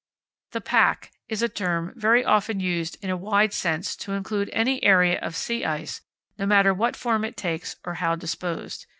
The Pack is a term very often used in a wide sense to include any area of sea ice, no matter what form it takes or how disposed.